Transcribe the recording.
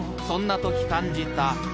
そんなとき感じた］